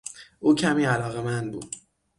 او کمی علاقمند بود.